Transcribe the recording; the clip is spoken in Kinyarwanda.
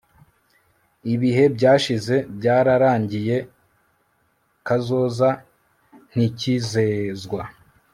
ibihe byashize byararangiye. kazoza ntikizezwa